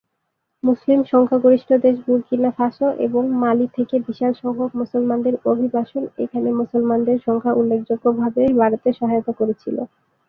মুসলিম সংখ্যাগরিষ্ঠ দেশ Burkina Faso এবং মালি থেকে বিশাল সংখ্যক মুসলমানদের অভিবাসন এখানে মুসলমানদের সংখ্যা উল্লেখযোগ্যভাবে বাড়াতে সহায়তা করেছিল।